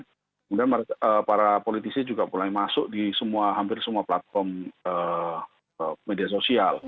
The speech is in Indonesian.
kemudian para politisi juga mulai masuk di hampir semua platform media sosial